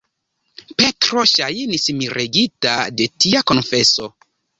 Petro ŝajnis miregita de tia konfeso.